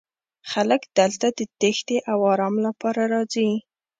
خلک دلته د تیښتې او ارام لپاره راځي